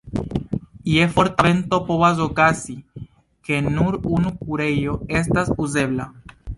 Je forta vento povas okazi, ke nur unu kurejo estas uzebla.